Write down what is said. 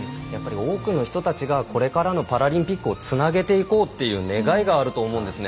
多くの人たちがこれからのパラリンピックをつなげていこうという願いがあると思うんですね。